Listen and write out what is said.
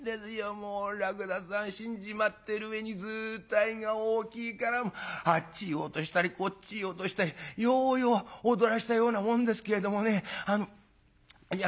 もうらくださん死んじまってる上に図体が大きいからあっちへ落としたりこっちへ落としたりようよう踊らせたようなもんですけれどもねいや